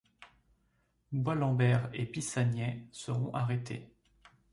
Boislambert et Bissagnet seront arrêtés.